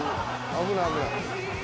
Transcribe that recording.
危ない危ない。